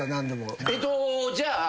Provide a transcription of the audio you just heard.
えっとじゃあ。